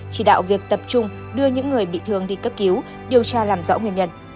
chỉ đạo việc tập trung đưa những người bị thương đi cấp cứu điều tra làm rõ nguyên nhân